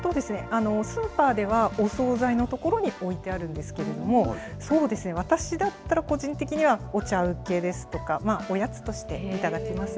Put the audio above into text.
スーパーでは、お総菜の所に置いてあるんですけれども、そうですね、私だったら、個人的にはお茶うけですとか、おやつとして頂きます。